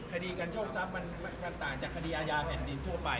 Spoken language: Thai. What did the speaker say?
คดีการโชคทรัพย์มันต่างจากคดีอาญาแผ่นดินทั่วไป